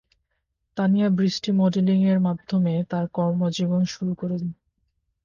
তানিয়া বৃষ্টি মডেলিং এর মাধ্যমে তার কর্ম জীবন শুরু করেন।